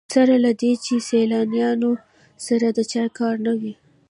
سره له دې چې سیلانیانو سره د چا کار نه وي.